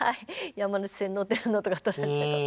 山手線乗ってるのとかを撮られちゃう。